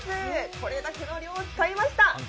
これだけの量を使いました。